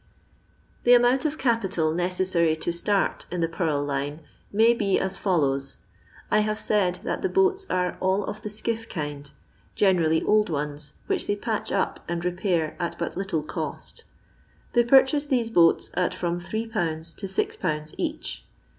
The amount of capital necessary to start in the purl line may be as follows :— I have said that the boats are all'of the skiff kind—generally old ones, which they patch up and repair at but little cost They purchase these boats at from 8/. to 6/. each.